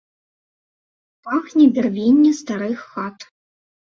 Пахне бярвенне старых хат.